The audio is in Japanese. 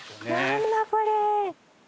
何だこれ。